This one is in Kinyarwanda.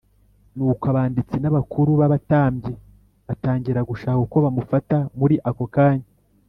Nuko abanditsi n abakuru b abatambyi batangira gushaka uko bamufata muri ako kanya